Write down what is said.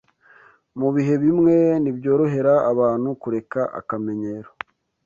Mu bihe bimwe ntibyorohera abantu kureka akamenyero